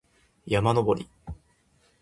山登り